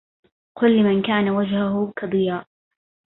قل لمن كان وجهه كضياء